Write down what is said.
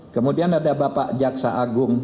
kemudian ada bapak jaksa agung